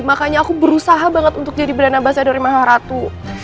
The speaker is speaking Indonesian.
makanya aku berusaha banget untuk jadi berenam bahasa dori maharatu